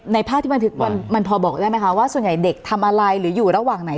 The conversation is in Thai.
ภาพที่บันทึกมันพอบอกได้ไหมคะว่าส่วนใหญ่เด็กทำอะไรหรืออยู่ระหว่างไหน